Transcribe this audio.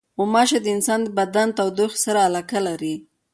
غوماشې د انسان د بدن له تودوخې سره علاقه لري.